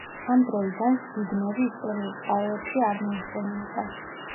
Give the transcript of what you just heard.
ამ დროიდან ზბიგნევი ისტორიულ წყაროებში არ მოიხსენიება.